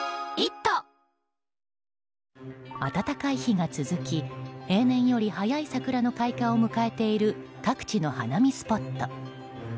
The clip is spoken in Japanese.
暖かい日が続き平年より早い桜の開花を迎えている各地の花見スポット。